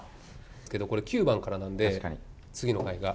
けど、これ、９番からなんで、次の回が。